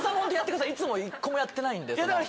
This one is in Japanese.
いつも１個もやってないんで。